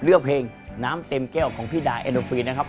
เลือกเพลงน้ำเต็มแก้วของพี่ดายแอโนฟีนนะครับ